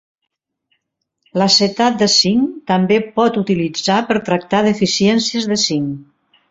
L'acetat de zinc també pot utilitzar per tractar deficiències de zinc.